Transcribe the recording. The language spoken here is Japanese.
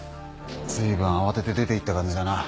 ずいぶん慌てて出ていった感じだな。